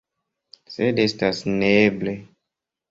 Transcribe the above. Sed estas neeble.